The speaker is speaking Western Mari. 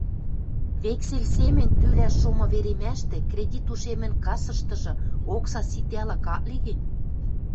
Вексель семӹнь тӱлӓш шомы веремӓштӹ кредит ушемӹн кассыштыжы окса ситӓлык ак ли гӹнь